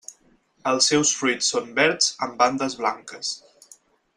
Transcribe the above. Els seus fruits són verds amb bandes blanques.